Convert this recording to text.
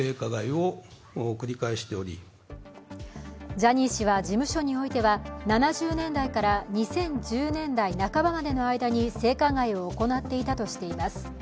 ジャニー氏は事務所においては７０年代から２０１０年代半ばまでの間で性加害を行っていたとしています。